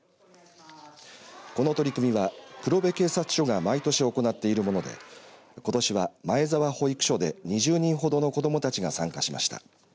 この取り組みは黒部警察署が毎年行っているものでことしは前沢保育所で２０人ほどの子どもたちが参加しました。